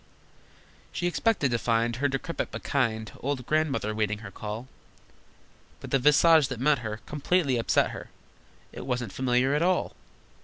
She expected to find Her decrepit but kind Old Grandmother waiting her call, But the visage that met her Completely upset her: It wasn't familiar at all!